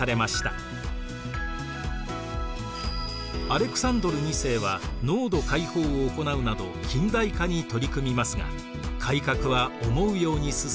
アレクサンドル２世は農奴解放を行うなど近代化に取り組みますが改革は思うように進まず暗殺されました。